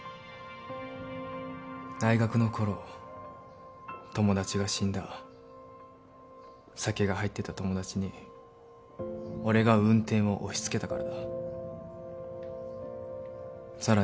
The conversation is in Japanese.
大学の頃友達が死んだ酒が入ってた友達に俺が運転を押しつけたからださらに